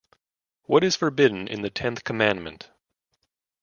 What is forbidden in the tenth commandment?